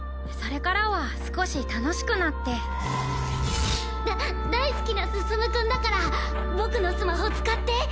それからは少し楽しくなってだ大好きな向君だから僕のスマホ使って